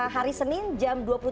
hari senin jam dua puluh tiga